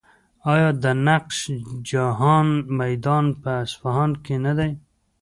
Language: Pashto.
آیا د نقش جهان میدان په اصفهان کې نه دی؟